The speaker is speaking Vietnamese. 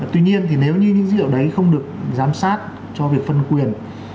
tuy nhiên thì nếu như những dữ liệu đấy không được giám sát cho việc phân quyền